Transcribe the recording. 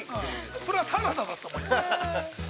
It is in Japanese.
◆これはサラダだと思います。